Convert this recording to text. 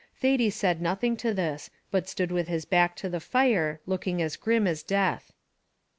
Thady said nothing to this, but stood with his back to the fire, looking as grim as death.